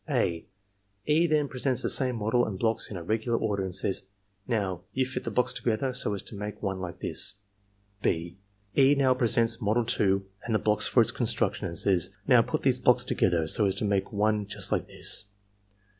(a) E. then presents the same model and blocks in irregular order, and says: "iVoiy, you fit the blocks together so as to make one like this,^* (6) E. now presents model 2 and the blocks for its construc tion and says: '^Now, put these blocks together so as to mxtke one just like this.